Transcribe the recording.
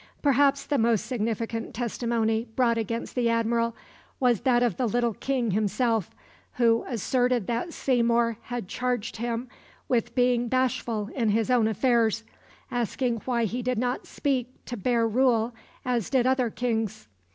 Perhaps the most significant testimony brought against the Admiral was that of the little King himself, who asserted that Seymour had charged him with being "bashful" in his own affairs, asking why he did not speak to bear rule as did other Kings.